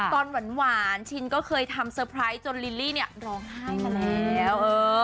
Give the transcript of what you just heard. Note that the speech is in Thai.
ตอนหวานชินก็เคยทำเตอร์ไพรส์จนลิลลี่เนี่ยร้องไห้มาแล้ว